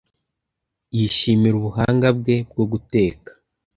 Yishimira ubuhanga bwe bwo guteka.